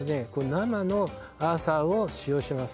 生のアーサを使用します